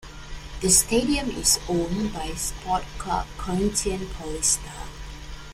The stadium is owned by Sport Club Corinthians Paulista.